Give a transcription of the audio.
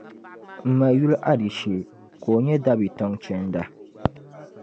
M ma yuli Adishe ka o nya dabi' tiŋ chanda.